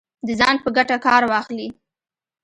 د ځان په ګټه کار واخلي